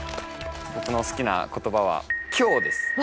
僕の好きな言葉は「今日」です。